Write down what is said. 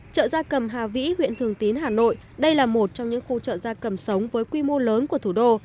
chợ gia cầm hà vĩ huyện thường tín hà nội đây là một trong những khu chợ gia cầm sống với quy mô lớn của thủ đô